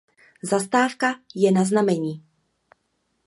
Zastávka je na znamení.